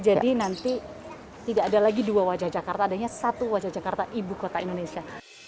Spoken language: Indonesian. jadi nanti tidak ada lagi dua wajah jakarta adanya satu wajah jakarta ibu kota indonesia